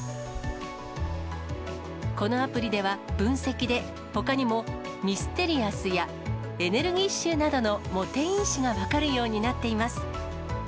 このアプリでは、分析でほかにもミステリアスやエネルギッシュなどのモテ因子が分かるようになっています。